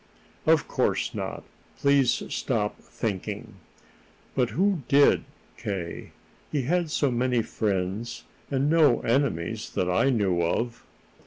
"Of course not. Please stop thinking." "But who did, K.? He had so many friends, and no enemies that I knew of."